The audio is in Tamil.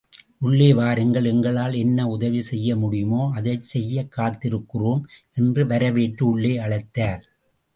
உள்ளே வாருங்கள் எங்களால் என்ன உதவி செய்ய முடியுமோ அதைச் செய்யக் காத்திருக்கிறோம் என்று வரவேற்று உள்ளே அழைத்தார்.